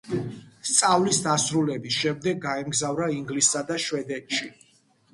სწავლის დასრულების შემდეგ, გაემგზავრა ინგლისსა და შვედეთში.